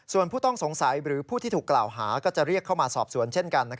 ส่วนผู้ต้องสงสัยหรือผู้ที่ถูกกล่าวหาก็จะเรียกเข้ามาสอบสวนเช่นกัน